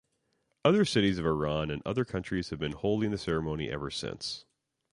Other cities of Iran and other countries have been holding the ceremony ever since.